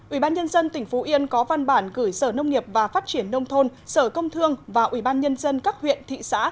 ủy ban nhân dân tỉnh phú yên có văn bản gửi sở nông nghiệp và phát triển nông thôn sở công thương và ủy ban nhân dân các huyện thị xã